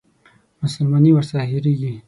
مسلماني ورڅخه هېرېږي.